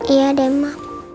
iya deh ma